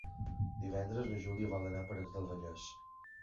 Divendres na Júlia vol anar a Parets del Vallès.